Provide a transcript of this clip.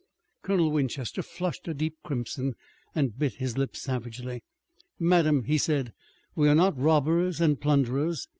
Colonel Winchester flushed a deep crimson, and bit his lips savagely. "Madame," he said, "we are not robbers and plunderers.